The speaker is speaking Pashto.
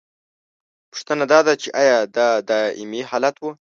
پوښتنه دا ده چې ایا دا دائمي حالت و؟